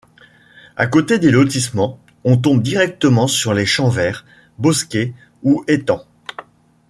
À côté des lotissements, on tombe directement sur les champs verts, bosquets ou étangs.